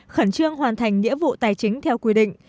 khẩn trương hoàn thành nghĩa vụ tài chính theo quy định